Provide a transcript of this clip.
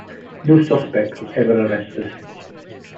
No suspect was ever arrested.